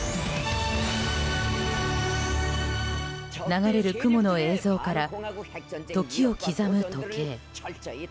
流れる雲の映像から時を刻む時計。